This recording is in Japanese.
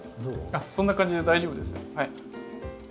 そんな感じで大丈夫です。